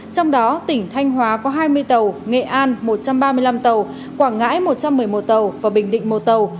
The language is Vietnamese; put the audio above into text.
trong đó tỉnh thanh hóa có hai mươi tàu nghệ an một trăm ba mươi năm tàu quảng ngãi một trăm một mươi một tàu và bình định một tàu